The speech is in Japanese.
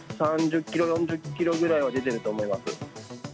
３０キロ、４０キロぐらいは出ていると思います。